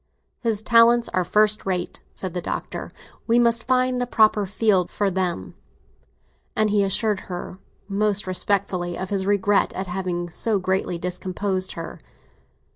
"His talents are first rate!" said the Doctor. "We must find a proper field for them!" And he assured her most respectfully of his regret at having so greatly discomposed her.